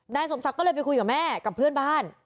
นายสมศักดิ์ก็เลยไปคุยกับแม่กับเพื่อนบ้าน